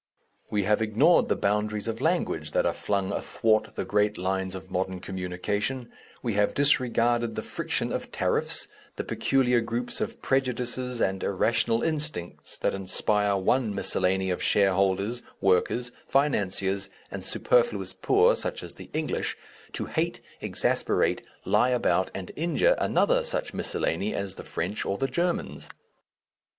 We have ignored the boundaries of language that are flung athwart the great lines of modern communication, we have disregarded the friction of tariffs, the peculiar groups of prejudices and irrational instincts that inspire one miscellany of shareholders, workers, financiers, and superfluous poor such as the English, to hate, exasperate, lie about, and injure another such miscellany as the French or the Germans.